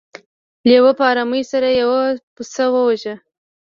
لیوه په ارامۍ سره یو پسه وواژه.